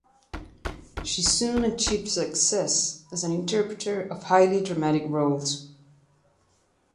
She soon achieved success as an interpreter of highly dramatic roles.